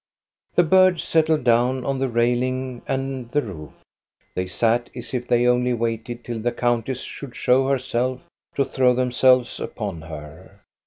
The birds settled down on the railing and the roof. They sat as if they only waited till the countess should show herself, to throw themselves upon her.